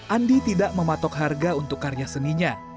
andi tidak mematok harga untuk karya seninya